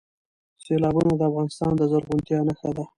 سیلابونه د افغانستان د زرغونتیا نښه ده.